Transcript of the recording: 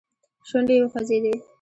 شونډې يې وخوځېدې.